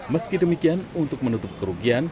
meski demikian untuk menutup kerugian